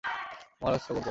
মহারাজ, শ্রবণ কর।